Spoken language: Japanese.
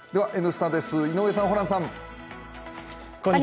「Ｎスタ」です、井上さんホランさん。